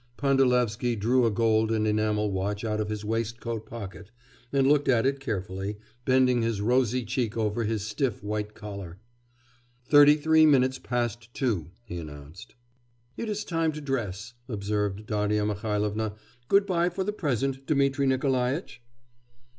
Pandalevsky drew a gold and enamel watch out of his waistcoat pocket, and looked at it carefully, bending his rosy cheek over his stiff, white collar. 'Thirty three minutes past two,' he announced. 'It is time to dress,' observed Darya Mihailovna. 'Good bye for the present, Dmitri Nikolaitch!